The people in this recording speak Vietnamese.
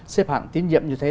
xếp hạng tiến nhiệm như thế